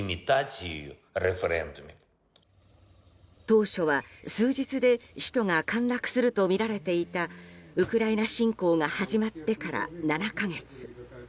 当初は、数日で首都が陥落するとみられていたウクライナ侵攻が始まってから７か月。